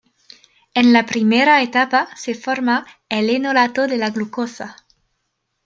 En la primera etapa se forma el enolato de la glucosa.